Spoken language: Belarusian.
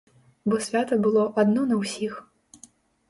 Бо свята было адно на ўсіх.